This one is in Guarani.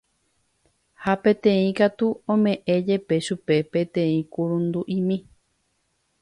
ha peteĩ katu ome'ẽ jepe chupe peteĩ kurundu'imi